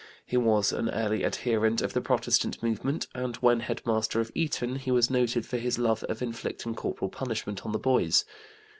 He was an early adherent of the Protestant movement, and when head master of Eton he was noted for his love of inflicting corporal punishment on the boys.